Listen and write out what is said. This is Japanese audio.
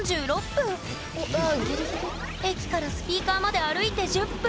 駅からスピーカーまで歩いて１０分。